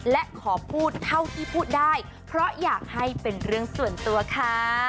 และขอพูดเท่าที่พูดได้เพราะอยากให้เป็นเรื่องส่วนตัวค่ะ